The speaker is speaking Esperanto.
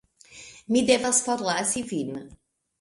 Mi devas forlasi vin.